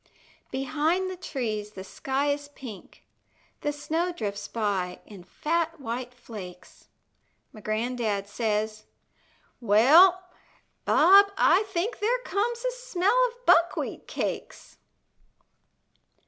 Behind the trees the sky is pink, The snow drifts by in fat white flakes, My gran'dad says: "Well, Bob, I think There comes a smell of buckwheat cakes."